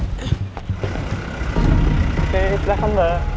oke silahkan mbak